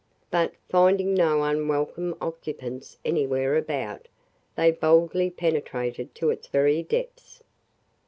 But, finding no unwelcome occupants anywhere about, they boldly penetrated to its very depths.